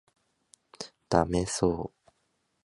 ダメそう